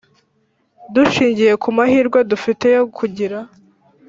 Dushingiye ku mahirwe dufite yo kugira